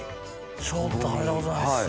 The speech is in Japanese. ちょっと食べたことないですね。